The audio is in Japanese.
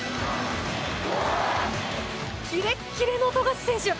キレッキレの富樫選手！